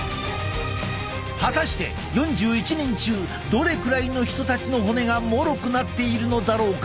果たして４１人中どれくらいの人たちの骨がもろくなっているのだろうか？